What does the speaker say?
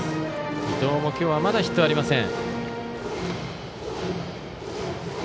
伊藤も今日はまだヒットはありません。